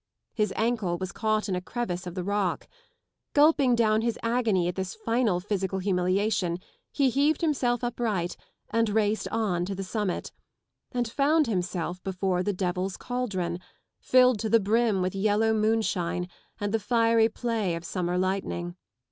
His ankle was caught in a crevice of the rock. Gulping down his agony at this final physical humiliation he heaved himself upright and raced on to the summit, and found himself before the Devil's Cauldron, filled to the brim with yellow moonshine and the fiery play of summer lightning.